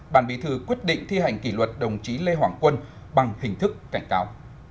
bàn bí thư quyết định thi hành kỷ luật đồng chí lê hoàng quân bằng hình thức cảnh cáo